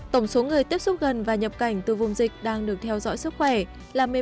tổng số người tiếp xúc gần và nhập cảnh từ vùng dịch đang được theo dõi sức khỏe là một mươi ba chín mươi người